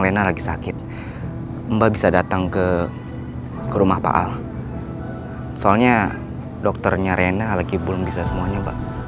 lena lagi sakit mbak bisa datang ke rumah pak al soalnya dokternya rena lagi belum bisa semuanya